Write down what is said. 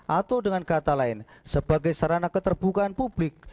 atau dengan kata lain sebagai sarana keterbukaan publik